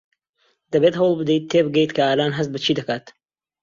دەبێت هەوڵ بدەیت تێبگەیت کە ئالان هەست بە چی دەکات.